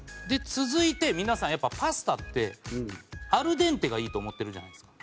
続いて皆さんやっぱパスタってアルデンテがいいと思ってるじゃないですか。